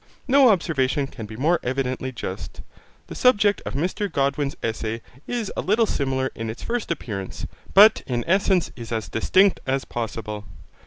No observation can be more evidently just. The subject of Mr Godwin's essay is a little similar in its first appearance, but in essence is as distinct as possible.